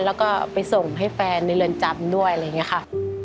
แล้วก็ไปส่งให้แฟนในเรือนจำด้วยอะไรอย่างนี้ค่ะ